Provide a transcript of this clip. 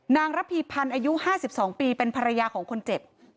ระพีพันธ์อายุ๕๒ปีเป็นภรรยาของคนเจ็บ